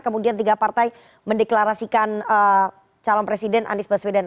kemudian tiga partai mendeklarasikan calon presiden anies baswedan